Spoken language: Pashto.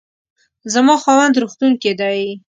زما خاوند روغتون کې دی